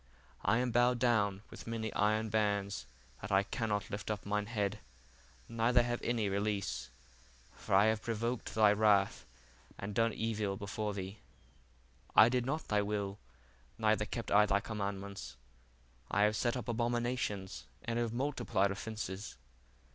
I am bowed down with many iron bands, that I cannot life up mine head, neither have any release: for I have provoked thy wrath, and done evil before thee: I did not thy will, neither kept I thy commandments: I have set up abominations, and have multiplied offences.